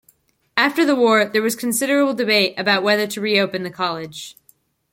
After the war there was considerable debate about whether to reopen the college.